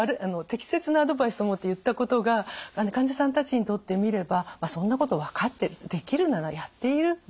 適切なアドバイスと思って言ったことが患者さんたちにとってみれば「そんなこと分かってる」と「できるならやっている」